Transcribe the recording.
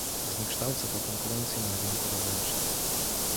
Zniekształca to konkurencję na rynku wewnętrznym